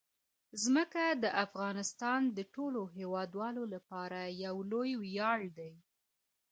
ځمکه د افغانستان د ټولو هیوادوالو لپاره یو لوی ویاړ دی.